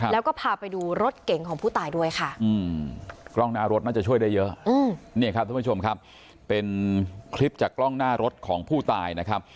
แล้วก็พาไปดูรถเก่งของผู้ตายด้วยค่ะ